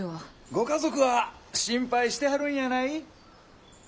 ご家族は心配してはるんやない？